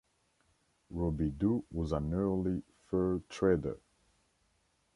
Robidoux was an early fur trader.